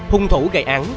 hung thủ gây án